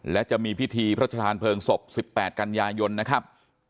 และจะมีพิธีพระชธานเพลิงศพ๑๘กันยายนนะครับ